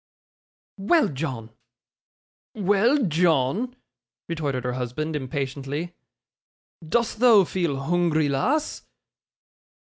'Well, John!' 'Well, John!' retorted her husband, impatiently. 'Dost thou feel hoongry, lass?